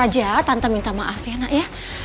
raja tante minta maaf ya nak ya